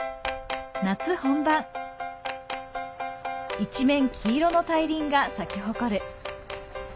一面、黄色の大輪が咲き誇る。